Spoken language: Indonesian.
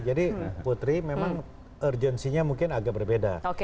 putri memang urgensinya mungkin agak berbeda